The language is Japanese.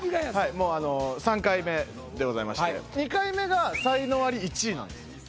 もう３回目でございまして２回目が才能アリ１位なんです。